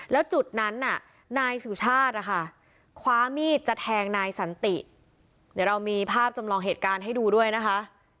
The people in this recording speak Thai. แล้วจุดนั้นน่ะนายสุชาตินะคะคว้ามีดจะแทงนายสันติเดี๋ยวเรามีภาพจำลองเหตุการณ์ให้ดูด้วยนะคะ